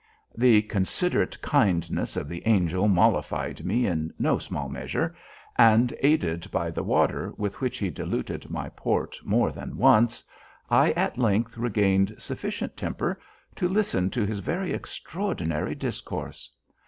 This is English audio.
The considerate kindness of the Angel mollified me in no little measure; and, aided by the water with which he diluted my port more than once, I at length regained sufficient temper to listen to his very extraordinary discourse.